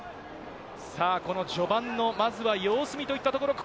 この序盤のまずは様子見といったところか。